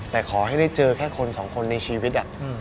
แต่ขอให้ได้เจอแค่คนสองคนในชีวิต